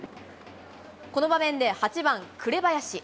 この場面で、８番紅林。